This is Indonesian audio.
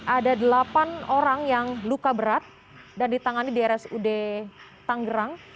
ada delapan orang yang luka berat dan ditangani di rsud tanggerang